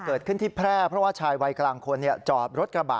เกิดขึ้นที่แพร่เพราะว่าชายวัยกลางคนจอดรถกระบะ